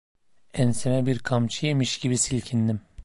Enseme bir kamçı yemiş gibi silkindim.